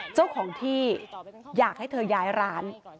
เจ้าของที่อยากให้เธอย้ายร้าน